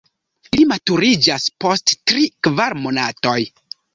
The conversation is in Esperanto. Ili maturiĝas post tri-kvar monatoj.